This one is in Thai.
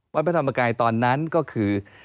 พระธรรมกายตอนนั้นก็คือ